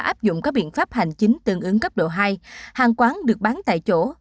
áp dụng các biện pháp hành chính tương ứng cấp độ hai hàng quán được bán tại chỗ